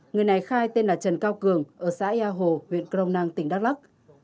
người này khai tên là trần cao cường ở xã yà hồ huyện crong năng tỉnh đắk lắc